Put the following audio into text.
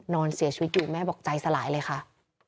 นอนเสียชีวิตอยู่แม่บอกใจสลายเลยค่ะ